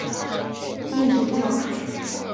印度教属。